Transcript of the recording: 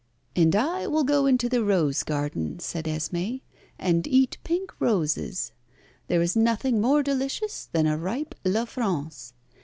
"And I will go into the rose garden," said Esmé, "and eat pink roses. There is nothing more delicious than a ripe La France.